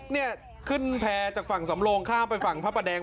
เนี่ยขึ้นแพร่จากฝั่งสำโลงข้ามไปฝั่งพระประแดง